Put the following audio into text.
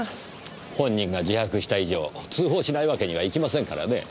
本人が自白した以上通報しないわけにはいきませんからね。